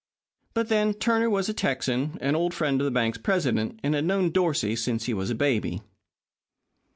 But, then, Turner was a Texan, an old friend of the bank's president, and had known Dorsey since he was a baby.